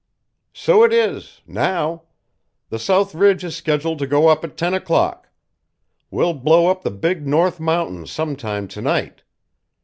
"So it is now. The south ridge is scheduled to go up at ten o'clock. We'll blow up the big north mountains sometime to night.